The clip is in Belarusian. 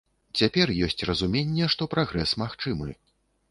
Цяпер ёсць разуменне, што прагрэс магчымы.